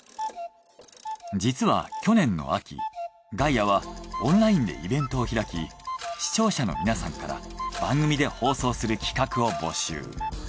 実は去年の秋ガイアはオンラインでイベントを開き視聴者の皆さんから番組で放送する企画を募集。